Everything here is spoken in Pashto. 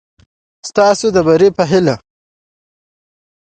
ستاسو د بري په هېله